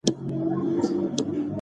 سړي خپله کورنۍ کور ته دعوت کړه.